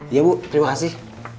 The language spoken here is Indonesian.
iya bu terima kasih